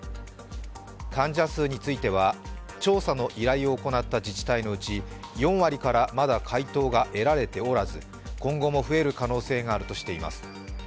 患者数については、調査の依頼を行った自治体のうち、４割からまだ回答が得られておらず、今後も増える可能性があるとしています。